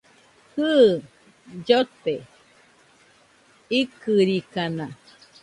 Jɨ, llote ikɨrikana